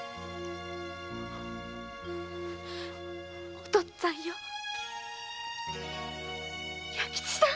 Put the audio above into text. お父っつぁんよ弥吉さん